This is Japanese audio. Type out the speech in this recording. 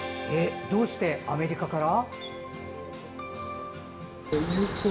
どうしてアメリカから？